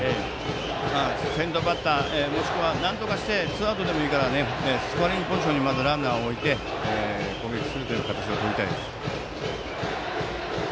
先頭バッターもしくは、なんとかしてツーアウトでもいいからスコアリングポジションにまたランナーを置いて攻撃するという形をとりたいです。